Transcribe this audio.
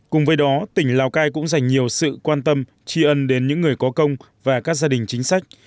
cùng với đó tỉnh lào cai cũng dành nhiều sự quan tâm tri ân đến những người có công và các gia đình chính sách